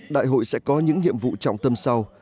đại hội sẽ có những nhiệm vụ trọng tâm sau